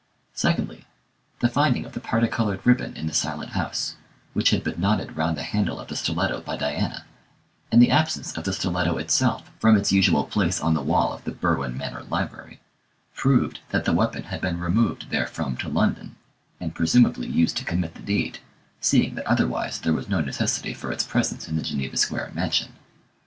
Secondly, the finding of the parti coloured ribbon in the Silent House, which had been knotted round the handle of the stiletto by Diana, and the absence of the stiletto itself from its usual place on the wall of the Berwin Manor library, proved that the weapon had been removed therefrom to London, and, presumably, used to commit the deed, seeing that otherwise there was no necessity for its presence in the Geneva Square mansion.